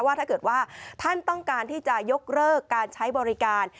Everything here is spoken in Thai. ถ้าเกิดว่าท่านต้องการที่จะยกเลิกการใช้บริการ